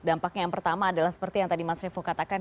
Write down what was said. dampaknya yang pertama adalah seperti yang tadi mas revo katakan